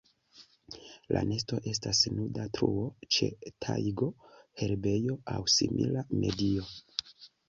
La nesto estas nuda truo ĉe tajgo, herbejo aŭ simila medio.